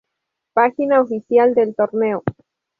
Página oficial del torneo